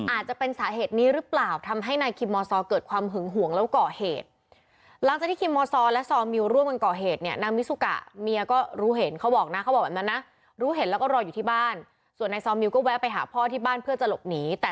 อาจจะเป็นสาเหตุนี้หรือเปล่า